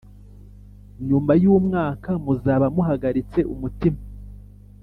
Nyuma y’umwaka muzaba muhagaritse umutima,